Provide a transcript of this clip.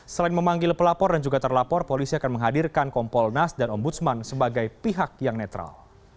selain memanggil pelapor dan juga terlapor polisi akan menghadirkan kompolnas dan ombudsman sebagai pihak yang netral